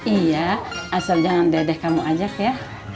iya asal jangan dedek kamu ajak ya